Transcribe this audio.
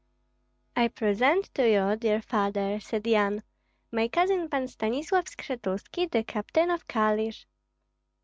"I present to you, dear father," said Yan, "my cousin Pan Stanislav Skshetuski, the captain of Kalish."